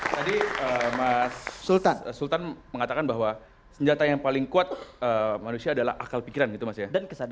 tadi mas sultan mengatakan bahwa senjata yang paling kuat manusia adalah akal pikiran gitu mas ya